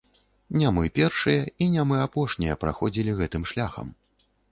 Не мы першыя і не мы апошнія праходзілі гэтым шляхам.